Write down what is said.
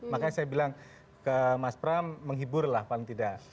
makanya saya bilang ke mas pram menghibur lah paling tidak